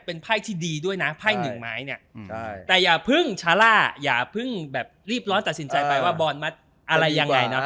เป็นไปได้นะเพราะเขาชนะมาไง